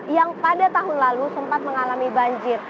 yang pada tahun lalu sempat mengalami banjir